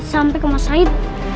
sampai ke mas haid